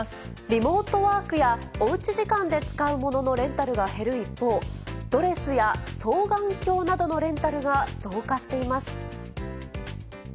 リモートワークや、おうち時間で使うもののレンタルが減る一方、ドレスや双眼鏡などのレンタルが増加しています。